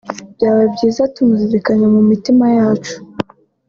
Byaba byiza tumuzirikanye mu mitima yacu